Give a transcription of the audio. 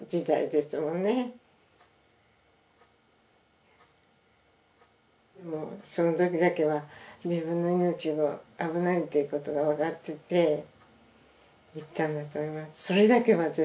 でもそのときだけは自分の命が危ないということがわかっていて言ったんだと思います。